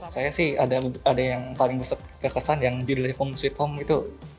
saya sih ada yang paling besar kekesan yang judulnya home sweet home itu